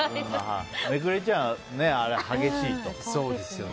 めくれちゃう、激しいと。